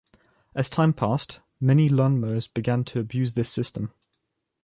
As time passed, many landowners began to abuse this system.